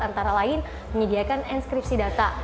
antara lain menyediakan enskripsi data